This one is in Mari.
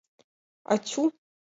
Атю!